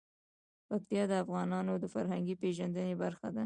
پکتیکا د افغانانو د فرهنګي پیژندنې برخه ده.